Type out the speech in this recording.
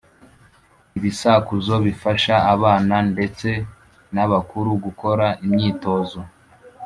Ibisakuzo bifasha abana ndetse n’abakuru gukora imyitozo